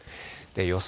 予想